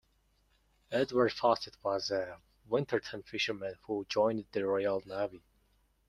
Edward Fawcett was a Winterton fisherman who joined the Royal Navy.